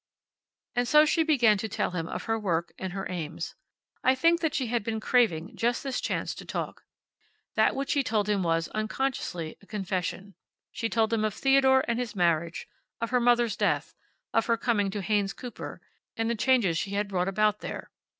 And so she began to tell him of her work and her aims. I think that she had been craving just this chance to talk. That which she told him was, unconsciously, a confession. She told him of Theodore and his marriage; of her mother's death; of her coming to Haynes Cooper, and the changes she had brought about there.